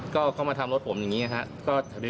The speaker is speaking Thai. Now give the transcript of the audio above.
ก็เข้ามาทำรถผมอย่างนี้ครับ